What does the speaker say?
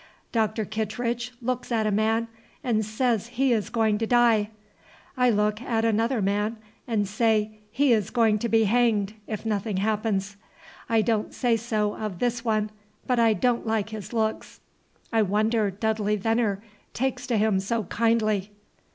Dr. Kittredge looks at a man and says he is going to die; I look at another man and say he is going to be hanged, if nothing happens. I don't say so of this one, but I don't like his looks. I wonder Dudley Veneer takes to him so kindly."